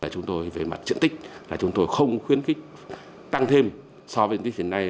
chúng tôi về mặt diện tích là chúng tôi không khuyến khích tăng thêm so với diện tích hiện nay